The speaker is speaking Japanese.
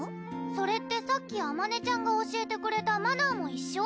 それってさっきあまねちゃんが教えてくれたマナーも一緒？